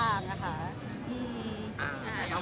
มันเป็นปัญหาจัดการอะไรครับ